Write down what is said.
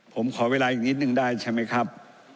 ผมขอเวลาอีกนิดนึงได้ใช่ไหมครับ